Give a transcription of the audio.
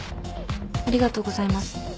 ありがとうございます。